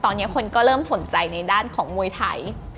ตอนนี้คนก็เริ่มสนใจในด้านของมวยไทย